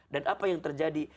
dan apa yang terjadi